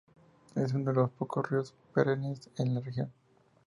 Es uno de los pocos ríos perennes en la región.